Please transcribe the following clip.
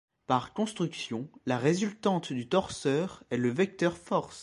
Par construction, la résultante du torseur est le vecteur force.